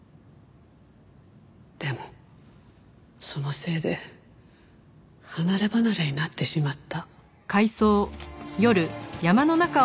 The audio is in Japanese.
でもそのせいで離ればなれになってしまった。